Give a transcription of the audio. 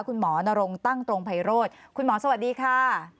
คุณหมอนรงตั้งตรงไพโรธคุณหมอสวัสดีค่ะ